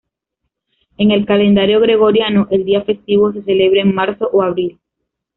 En el calendario gregoriano, el día festivo se celebra en marzo o abril.